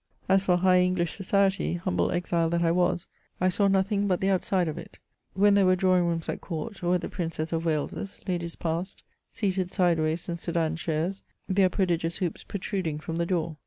'^As for high £nglish society, humble exile that I was, * I saw nothing but the outside of it. When there were drawing rooms at Court, or at the Princess of Wales's, ladies passed, seated sideways in sedan chairs, their prodigious hoops protruding from the door.